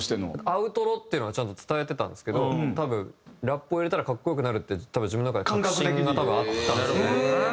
アウトロっていうのはちゃんと伝えてたんですけど多分ラップを入れたら格好良くなるって自分の中で確信があったんですよね。